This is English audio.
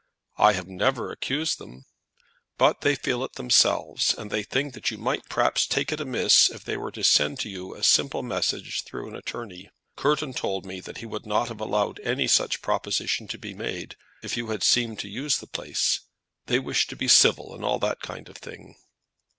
"I have never accused them." "But they feel it themselves, and they think that you might take it perhaps amiss if they were to send you a simple message through an attorney. Courton told me that he would not have allowed any such proposition to be made, if you had seemed disposed to use the place. They wish to be civil, and all that kind of thing."